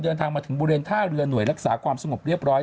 เดินทางมาถึงบริเวณท่าเรือหน่วยรักษาความสงบเรียบร้อย